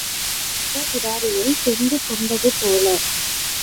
அடங்காத பிடாரியைப் பெண்டு கொண்டது போல.